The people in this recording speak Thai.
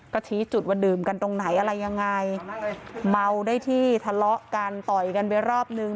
ก็ชี้จุดว่าดื่มกันตรงไหนอะไรยังไงเมาได้ที่ทะเลาะกันต่อยกันไปรอบนึง